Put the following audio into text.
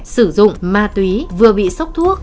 sử dụng ma túy vừa bị sốc thuốc